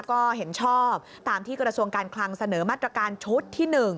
ก็เห็นชอบตามที่กระทรวงการคลังเสนอมาตรการชุดที่๑